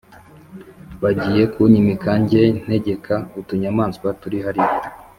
bajyiye kunyimika, njye ntegeka utunyamaswa turi hariya